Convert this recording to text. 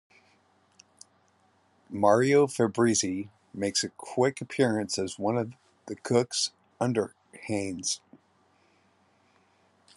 Mario Fabrizi makes a quick appearance as one of the cooks under Haines.